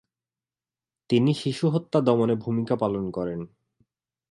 তিনি শিশুহত্যা দমনে ভূমিকা পালন করেন।